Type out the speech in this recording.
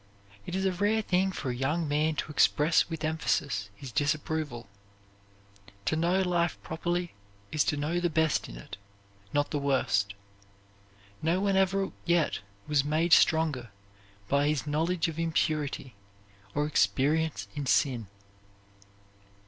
It is a rare thing for a young man to express with emphasis his disapproval. To know life properly is to know the best in it, not the worst. No one ever yet was made stronger by his knowledge of impurity or experience in sin.